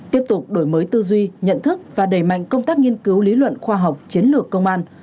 tiếp tục đổi mới tư duy nhận thức và đẩy mạnh công tác nghiên cứu lý luận khoa học chiến lược công an